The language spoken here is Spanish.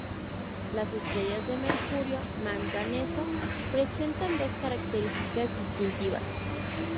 Las estrellas de mercurio-manganeso presentan dos características distintivas.